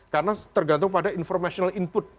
karena tergantung pada information input